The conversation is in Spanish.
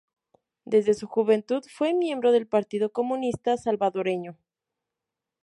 Desde su juventud, fue miembro del Partido Comunista Salvadoreño.